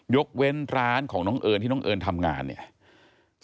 ยกเว้นร้านของน้องเอิญที่น้องเอิญทำงานเนี่ย